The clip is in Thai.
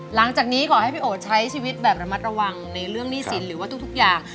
หลังจากนี้ขอให้พี่โอ๋ใช้ชีวิตแบบระมัดระวังในเรื่องหนี้สินหรือว่าทุกอย่าง